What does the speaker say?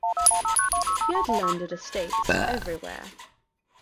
He had landed estates everywhere.